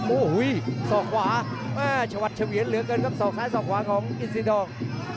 โอ้โหสอกขวาชวัดเฉวียนเหลือเกินครับศอกซ้ายสอกขวาของอินซีดอง